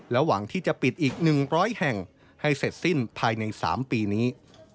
หวังที่จะปิดอีก๑๐๐แห่งให้เสร็จสิ้นภายใน๓ปีนี้